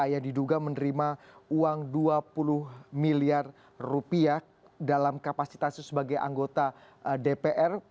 yang diduga menerima uang dua puluh miliar rupiah dalam kapasitasnya sebagai anggota dpr